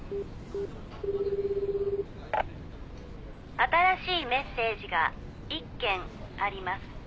「新しいメッセージが１件あります」